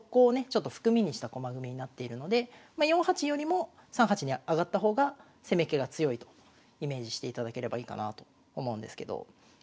ちょっと含みにした駒組みになっているので４八よりも３八に上がった方が攻めっ気が強いとイメージしていただければいいかなと思うんですけど。